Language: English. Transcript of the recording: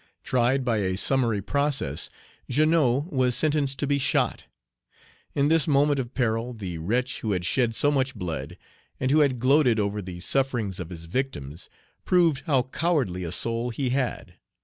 Tried by a summary process, Jeannot was sentenced to be shot. In this moment of peril, the wretch who had shed so much blood, and who had gloated over the sufferings of his victims, proved how cowardly a soul he had.